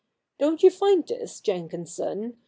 Don't you find this, Jenkinson?'